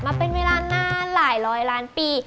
มาเป็นเวลานานหลายร้อยล้านปี